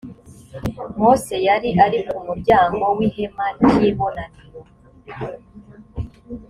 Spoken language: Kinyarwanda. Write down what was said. mose yari ari ku muryango w ihema ry ibonaniro